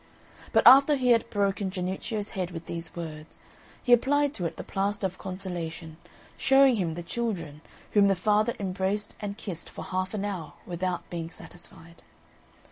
But after he had broken Jannuccio's head with these words, he applied to it the plaster of consolation, showing him the children, whom the father embraced and kissed for half an hour without being satisfied.